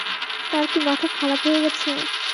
তাঁর কি মাথা খারাপ হয়ে গেছে?